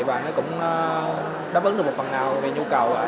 và nó cũng đáp ứng được một phần nào về nhu cầu